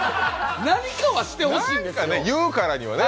何かはしてほしいんですよ。